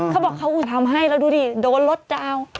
เขาบอกเขาทำให้แล้วดูดิโดนรถดาว